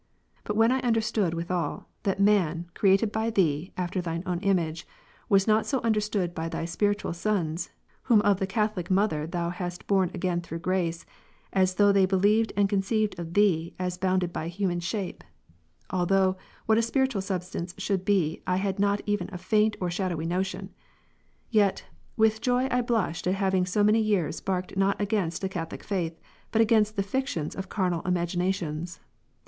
But when I understood withal, that " man, created by Thee, after Thine own image," was not so understood by Thy spiritual sons, whom of the Catholic Mother Thou hast born again through grace, as though they believed and conceived of Thee as bounded by human shape ; (although what a spiritual substance should be I had not even a faint or shado^v^' notion ;) yet with joy I blushed at having so many years barked not against the Catholic faith, but against the fictions of carnal imaginations.